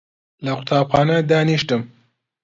لە قوتابخانە دانیشتم